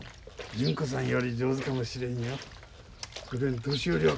純子さんより上手かもしれんよ。